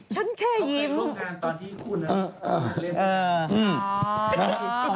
ฉันแค่ยิ้มเอาเพลงโครงงานตอนที่คุณอ๋อ